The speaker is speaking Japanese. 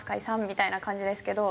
みたいな感じですけど。